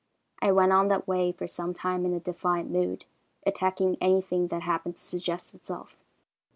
I went on that way for some time in a defiant mood, attacking anything that happened to suggest itself.